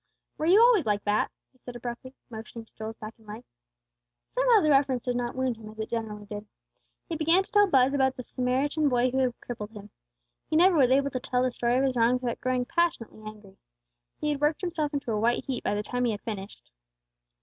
"Were you always like that?" he said abruptly, motioning to Joel's back and leg. Somehow the reference did not wound him as it generally did. He began to tell Buz about the Samaritan boy who had crippled him. He never was able to tell the story of his wrongs without growing passionately angry. He had worked himself into a white heat by the time he had finished.